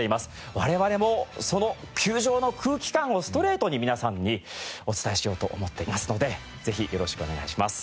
我々もその球場の空気感をストレートに皆さんにお伝えしようと思っていますのでぜひよろしくお願いします。